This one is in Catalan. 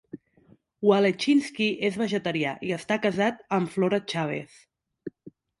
Wallechinsky és vegetarià i està casat amb Flora Chávez.